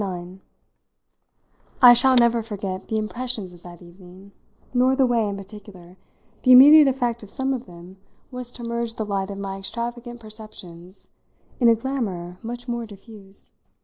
IX I shall never forget the impressions of that evening, nor the way, in particular, the immediate effect of some of them was to merge the light of my extravagant perceptions in a glamour much more diffused.